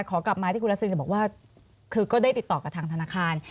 ขอกลับมาที่คุณรัสซินจะบอกว่าคือก็ได้ติดต่อกับทางธนาคาร